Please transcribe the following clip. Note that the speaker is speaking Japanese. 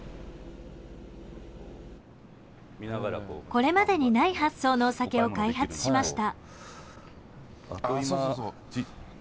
これまでにない発想のお酒を開発しました。